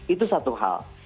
itu satu hal